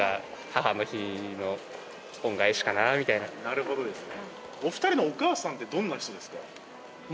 なるほどですね。